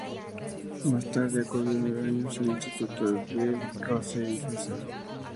Más tarde acudió nueve años al Instituto Le Rosey en Suiza.